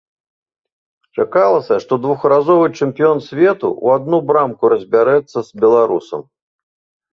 Чакалася, што двухразовы чэмпіён свету ў адну брамку разбярэцца з беларусам.